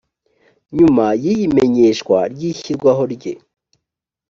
nyuma y iy imenyeshwa ry ishyirwaho rye